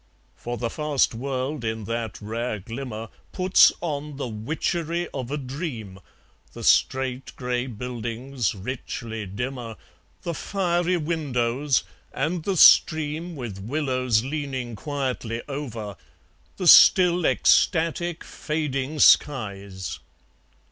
For the fast world in that rare glimmer Puts on the witchery of a dream, The straight grey buildings, richly dimmer, The fiery windows, and the stream With willows leaning quietly over, The still ecstatic fading skies